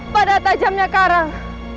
pada tajamnya karang